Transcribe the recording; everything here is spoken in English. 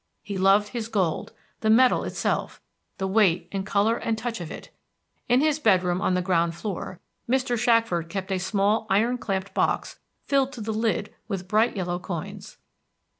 He loved his gold, the metal itself, the weight and color and touch of it. In his bedroom on the ground floor Mr. Shackford kept a small iron clamped box filled to the lid with bright yellow coins.